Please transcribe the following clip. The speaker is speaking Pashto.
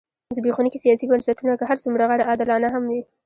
زبېښونکي سیاسي بنسټونه که هر څومره غیر عادلانه هم وي.